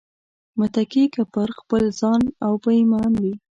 متکي که پر خپل ځان او په ايمان وي